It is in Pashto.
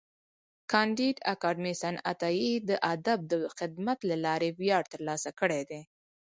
کانديد اکاډميسن عطایي د ادب د خدمت له لارې ویاړ ترلاسه کړی دی.